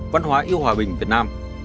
văn hóa yêu hòa bình việt nam